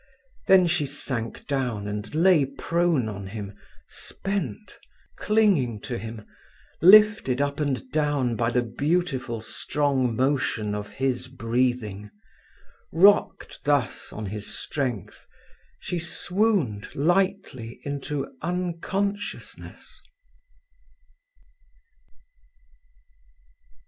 Then she sank down and lay prone on him, spent, clinging to him, lifted up and down by the beautiful strong motion of his breathing. Rocked thus on his strength, she swooned lightly into unconsciousness.